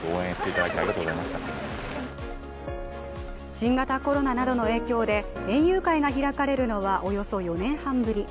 新型コロナなどの影響で園遊会が開かれるのはおよそ４年半ぶり。